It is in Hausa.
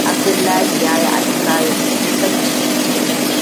Abdullahi yayi atisaye sosai.